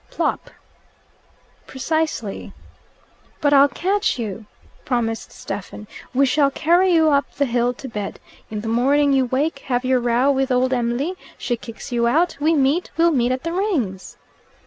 "Plop." "Precisely." "But I'll catch you," promised Stephen. "We shall carry you up the hill to bed. In the morning you wake, have your row with old Em'ly, she kicks you out, we meet we'll meet at the Rings!"